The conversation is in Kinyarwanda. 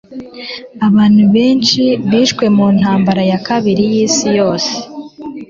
Abantu benshi bishwe mu Ntambara ya Kabiri y'Isi Yose.